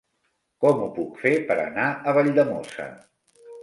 Com ho puc fer per anar a Valldemossa?